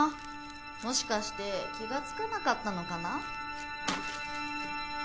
もしかして気がつかなかったのかな？